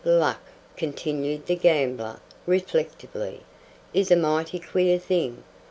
Luck," continued the gambler, reflectively, "is a mighty queer thing.